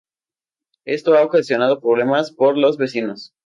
Esto ha ocasionado problemas por los vecinos.